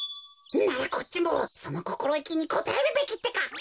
ならこっちもそのこころいきにこたえるべきってか！